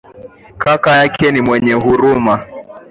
Kaka yake ni mwenye huruma.